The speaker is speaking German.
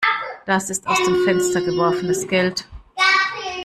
Das ist aus dem Fenster geworfenes Geld.